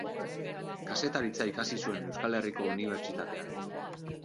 Kazetaritza ikasi zuen Euskal Herriko Unibertsitatean.